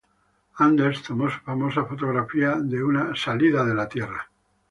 Anders tomó una famosa fotografía de una "salida de la Tierra".